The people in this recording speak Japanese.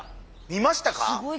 見ました。